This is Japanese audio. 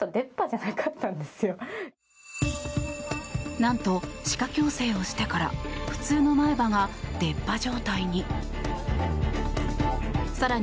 何と歯科矯正をしてから普通の前歯が出っ歯状態に。